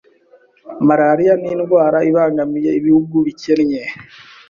Malaria ni indwara ibangamiye ibihugu bikenye,